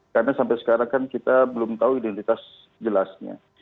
karena sampai sekarang kan kita belum tahu identitas jelasnya